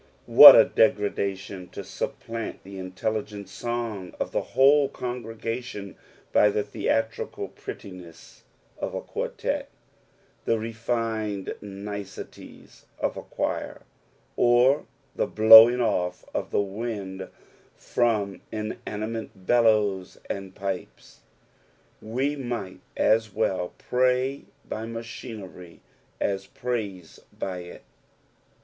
What a degrada(i<in to supplant the intelligent song of the whole congregation by the theatncal prettinesacs of a quartett, the reflned niceties of a choir, or the blowing off of wind from inanimate bellovrs and pipes 1 We might as well pray by machinery as praise by it.